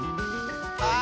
あ！